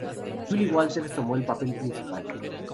Julie Walters tomó el papel principal.